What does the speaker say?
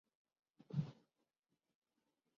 عمران خان کا قدم بھی ساتویں دھائی کی دہلیز پر ہے۔